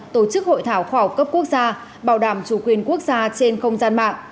tổ chức hội thảo khoa học cấp quốc gia bảo đảm chủ quyền quốc gia trên không gian mạng